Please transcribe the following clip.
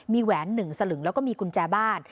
มีแหวน๑สลึงแล้วก็มีกุญแจบ้าน